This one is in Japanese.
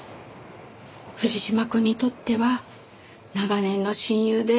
藤島くんにとっては長年の親友で恩人なんです。